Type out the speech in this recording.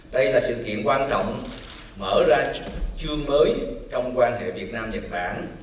đây là sự kiện quan trọng mở ra chương mới trong quan hệ việt nam nhật bản